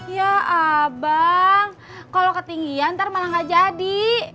ya abang kalau ketinggian ntar malah gak jadi